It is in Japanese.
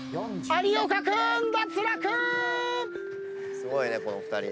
すごいねこの２人。